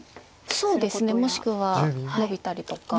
そうですねもしくはノビたりとか。